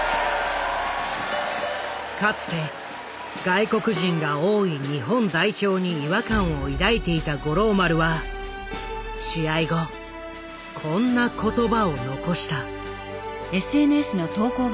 かつて外国人が多い日本代表に違和感を抱いていた五郎丸は試合後こんな言葉を残した。